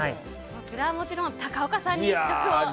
それはもちろん高岡さんに試食を。